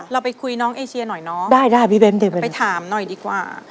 เราไปคุยน้องเอเชียหน่อยเนาะได้ได้พี่เบ้นไปถามหน่อยดีกว่า